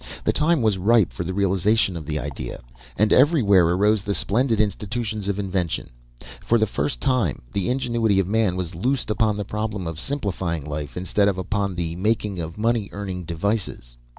The time was ripe for the realization of the idea, and everywhere arose the splendid institutions of invention. For the first time the ingenuity of man was loosed upon the problem of simplifying life, instead of upon the making of money earning devices.